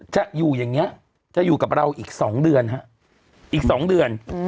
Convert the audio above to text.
จะอยู่อย่างนี้จะอยู่กับเราอีก๒เดือนฮะอีก๒เดือน